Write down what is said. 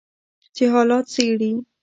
چې حالات څیړي